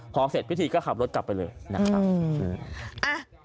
พอเสร็จพิธีก็ขับรถกลับไปเลยนะครับ